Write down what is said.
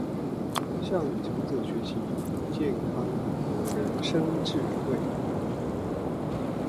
向強者學習健康和人生智慧